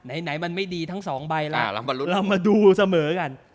ไหนมันไม่ดีทั้งสองใบล่ะเรามาดูเสมอกัน